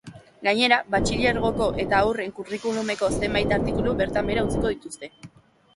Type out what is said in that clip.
Gainera, batxilergoko eta haurren curriculumeko zenbait artikulu bertan behera utziko dituzte.